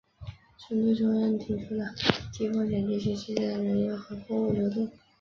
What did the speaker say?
针对中央提出的低风险地区之间的人员和货物流动